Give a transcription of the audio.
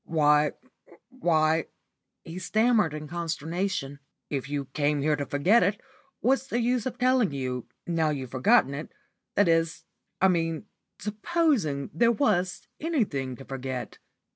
"Why why," he stammered in consternation. "If you came here to forget it, what's the use of telling you, now you've forgotten it, that is I mean, supposing there was anything to forget."